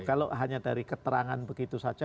kalau hanya dari keterangan begitu saja